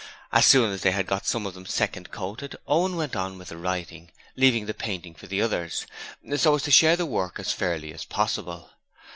As soon as they had got some of them second coated, Owen went on with the writing, leaving the painting for the others, so as to share the work as fairly as possible.